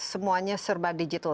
semuanya serba digital